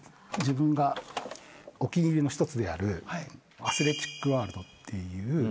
自分がお気に入りの一つである『アスレチックワールド』っていう。